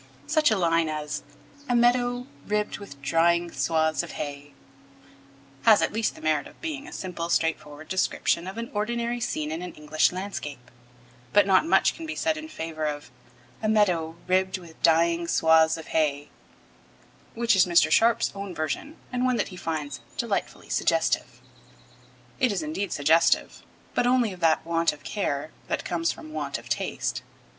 Such a line as A meadow ribbed with drying swathes of hay, has at least the merit of being a simple, straightforward description of an ordinary scene in an English landscape, but not much can be said in favour of A meadow ribbed with dying swathes of hay, which is Mr. Sharp's own version, and one that he finds 'delightfully suggestive.' It is indeed suggestive, but only of that want of care that comes from want of taste.